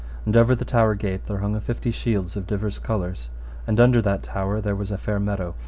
And over the tower gate there hung a fifty shields of divers colours, and under that tower there was a fair meadow.